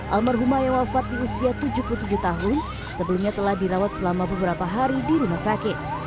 almarhumah yang wafat di usia tujuh puluh tujuh tahun sebelumnya telah dirawat selama beberapa hari di rumah sakit